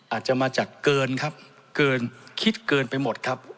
อาจจะมาจากเกินครับเกินคิดเกินไปหมดครับ